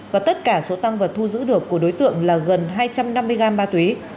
và tất cả số tăng vật thu giữ được của đối tượng là gần hai trăm năm mươi gram ma túy